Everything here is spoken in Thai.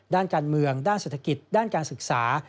ด้านการเมืองด้านเศรษฐกิจด้านการศึกษา